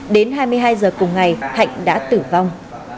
đến hai mươi hai giờ cùng ngày thạnh đã tử vong